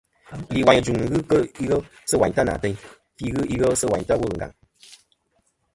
Lìwàyn ɨ jùŋ nɨ̀n ghɨ kɨ ighel sɨ̂ wàyn ta nà àteyn, fî ghɨ ighel sɨ̂ wayn ta wul ɨ ngàŋ.